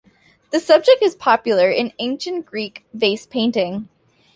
The subject is popular in ancient Greek vase painting.